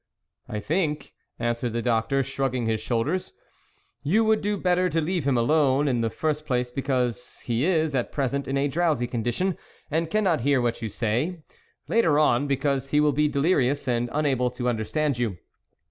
" I think," answered the doctor, shrugg ing his shoulders, " you would do better to leave him alone ; in the first place because he is, at present, in a drowsy condition and cannot hear what you say ; later on, because he will be delirious, and unable to understand you."